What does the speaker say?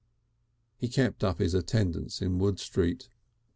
He kept up his attendance in Wood Street.